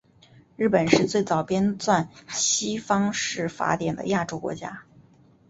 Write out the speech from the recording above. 日本是最早编纂西方式法典的亚洲国家。